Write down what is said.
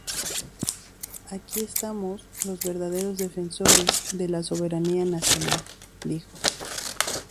Aquí estamos los verdaderos defensores de la Soberanía Nacional, dijo.